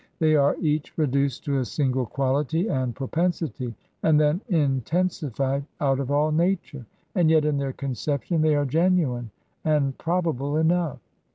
They are each reduced to a single quality and propensity, and then intensified out of all nature; and yet in their conception they are genuine and probable enough.